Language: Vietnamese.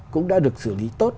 cũng đã được xử lý tốt